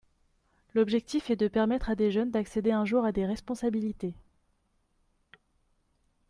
L’objectif est de permettre à des jeunes d’accéder un jour à des responsabilités.